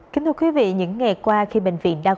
kính thưa quý vị những ngày qua khi bệnh viện đa khoa